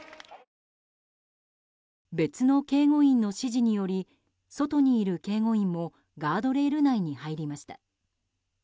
別の警護員の指示により外にいる警護員もガードレール内に入りました。